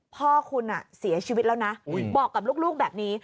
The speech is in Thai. พ่อคุณเสียชีวิตแล้วนะบอกกับลูกแบบนี้